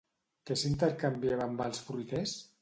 Què s'intercanviava amb els fruiters?